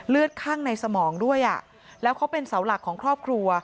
เลือดข้างในสมองด้วยอ่ะแล้วเขาเป็นเสาหลักของครอบครัว